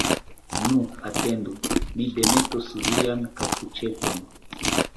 Nu, atendu, mi demetos vian kapuĉeton!